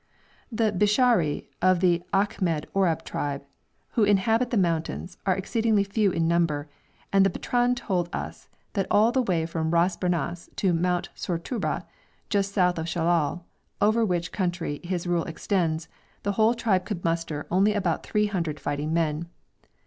The Bishari of the Akhmed Orab tribe, who inhabit the mountains, are exceedingly few in number, and the Batran told us that all the way from Ras Bernas to Mount Sorturba, just south of Shellal, over which country his rule extends, the whole tribe could muster only about three hundred fighting men.